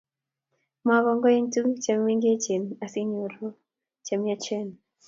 mwaa kongoi eng' tuguk che mengechen asinyoru che miachen